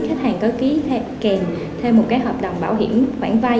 khách hàng có ký kèm thêm một cái hợp đồng bảo hiểm khoản vay